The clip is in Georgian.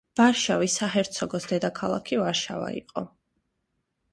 ვარშავის საჰერცოგოს დედაქალაქი ვარშავა იყო.